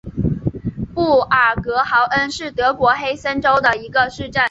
布尔格豪恩是德国黑森州的一个市镇。